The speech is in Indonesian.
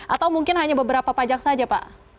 atau mungkin hanya beberapa pajak saja pak